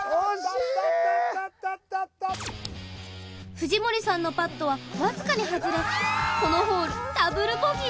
藤森さんのパットはわずかに外れこのホールダブルボギー。